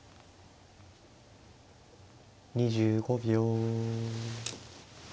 ２５秒。